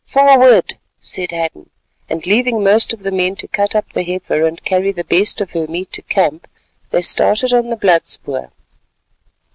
"Forward," said Hadden, and leaving most of the men to cut up the heifer and carry the best of her meat to camp, they started on the blood spoor.